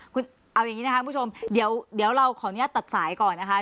คุณเอาอย่างนี้นะคะคุณผู้ชมเดี๋ยวเราขออนุญาตตัดสายก่อนนะคะ